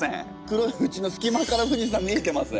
黒いふちの隙間から富士山見えてます。